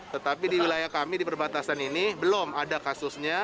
tetapi di wilayah kami di perbatasan ini belum ada kasusnya